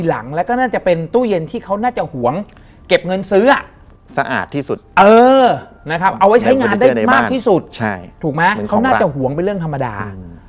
มันเลยเป็นฟิวเหมือนว่า